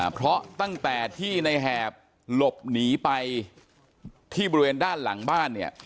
เพราะตั้งแต่ที่ในแหบหลบหนีไปที่บริเวณด้านหลังบ้านเนี่ย